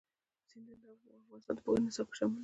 سیندونه د افغانستان د پوهنې نصاب کې شامل دي.